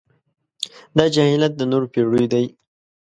دا جاهلیت د نورو پېړيو دی.